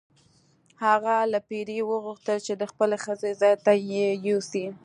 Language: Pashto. هغه له پیري وغوښتل چې د خپلې ښځې ځای ته یې یوسي.